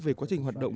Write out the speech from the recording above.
về quá trình hoạt động